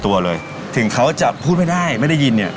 ถ้าที่จะพูดไม่ได้ไม่ได้ยินเนี่ย